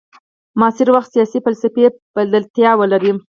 معاصر وخت سیاسي فلسفې بلدتیا ولري.